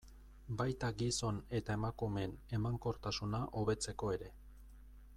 Baita gizon eta emakumeen emankortasuna hobetzeko ere.